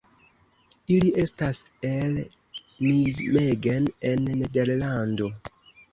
Ili estas el Nijmegen en Nederlando.